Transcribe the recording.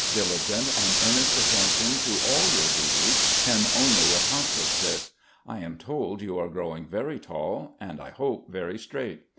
Diligent and earnest attention to all your duties can only accomplish this. I am told you are growing very tall, and I hope very straight.